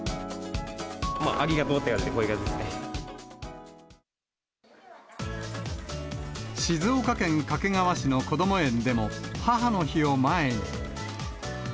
ありがとう！って感じで、静岡県掛川市のこども園でも、母の日を前に。